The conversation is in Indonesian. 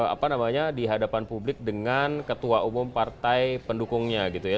apa namanya di hadapan publik dengan ketua umum partai pendukungnya gitu ya